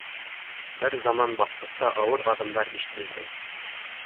Бер заман баҫҡыста ауыр аҙымдар ишетелде.